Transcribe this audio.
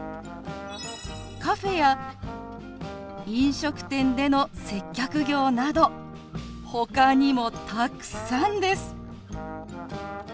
「カフェや飲食店での接客業」などほかにもたくさんです。